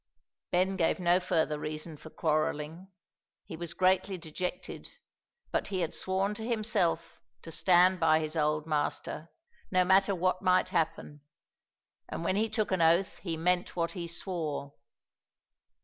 Ben gave no further reason for quarrelling. He was greatly dejected, but he had sworn to himself to stand by his old master, no matter what might happen, and when he took an oath he meant what he swore.